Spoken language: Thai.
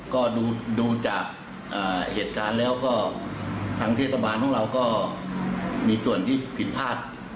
ก็ดูจากเหตุการณ์แล้วก็ทางเทศบาลของเราก็มีส่วนที่ผิดพลาด